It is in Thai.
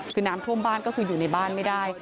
คือน้ำท่วมบ้านก็คืออยู่ในบ้านไม่ได้